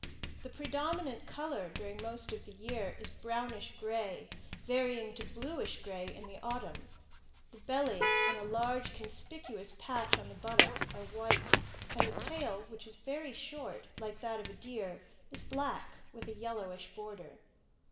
The predominant color during most of the year is brownish gray, varying to bluish gray in the autumn; the belly and a large, conspicuous patch on the buttocks are white; and the tail, which is very short, like that of a deer, is black, with a yellowish border.